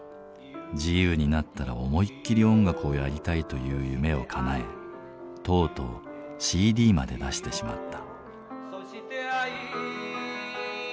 自由になったら思いっきり音楽をやりたいという夢をかなえとうとうＣＤまで出してしまった。